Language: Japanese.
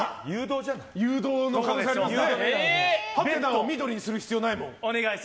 誘導の可能性ありますね。